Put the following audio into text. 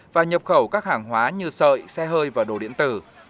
và nhập khẩu các hàng hóa như sợi xe hơi và đồ điện tử